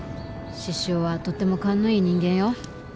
獅子雄はとっても勘のいい人間よ。